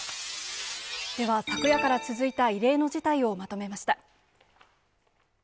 では昨夜から続いた異例の事態をまとめました。